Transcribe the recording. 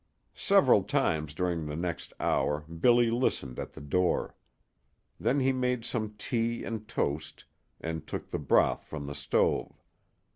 Several times during the next hour Billy listened at the door. Then he made some tea and toast and took the broth from the stove.